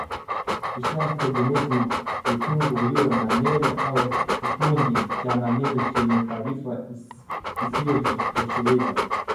Kishazi tegemezi ni utungo ulio na neno au kikundi cha maneno chenye taarifa isiyojitosheleza